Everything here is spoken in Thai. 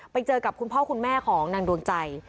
ไปเจอกับคุณพ่อคุณแม่ของนางดวงใจ